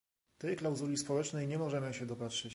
Tej klauzuli społecznej nie możemy się dopatrzyć